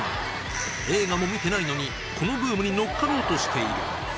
映画も見てないのに、このブームに乗っかろうとしている。